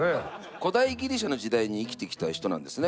古代ギリシャの時代に生きた人なんですね。